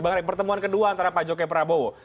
bang ray pertemuan kedua antara pak jokowi prabowo